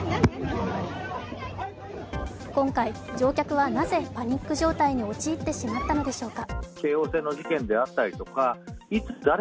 今回、乗客はなぜパニック状態に陥ってしまったのでしょうか。